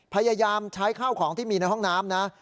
พยายามใช้ข้าวของที่มีในห้องน้ำนะ